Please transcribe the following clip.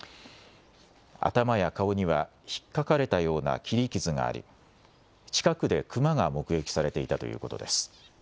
頭や顔には、ひっかかれたような切り傷があり、近くでクマが目撃されていたということです。